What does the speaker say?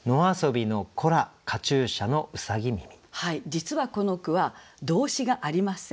実はこの句は動詞がありません。